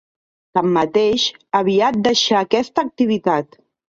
Tanmateix, aviat deixà aquesta activitat.